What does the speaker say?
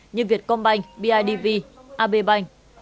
như việtcombank bidv ab bank